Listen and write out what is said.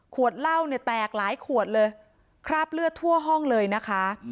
เหล้าเนี่ยแตกหลายขวดเลยคราบเลือดทั่วห้องเลยนะคะ